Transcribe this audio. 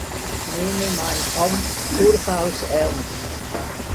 Ich nehme mein Amt durchaus ernst.